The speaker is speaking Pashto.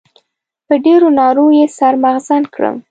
په ډېرو نارو يې سر مغزن کړم.